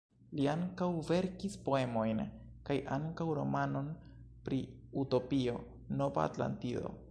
Li ankaŭ verkis poemojn kaj ankaŭ romanon pri utopio, Nova Atlantido.